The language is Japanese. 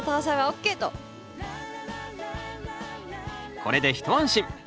これで一安心。